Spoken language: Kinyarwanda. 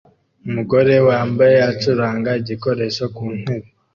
Umugore wambaye acuranga igikoresho ku ntebe